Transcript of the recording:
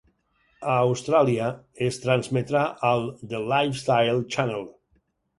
A Austràlia, es transmetrà al The Lifestyle Channel.